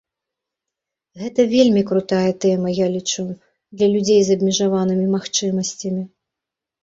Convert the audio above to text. Гэта вельмі крутая тэма, я лічу, для людзей з абмежаванымі магчымасцямі.